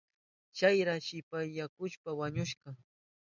Chayra shipasyahushpan wañushka.